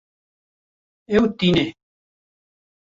Ew tîne